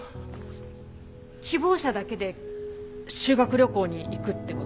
希望者だけで修学旅行に行くってこと？